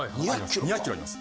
２００ｋｇあります。